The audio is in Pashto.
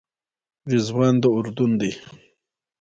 رضوان د اردن دی.